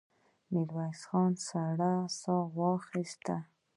ميرويس خان سړه سا وايسته.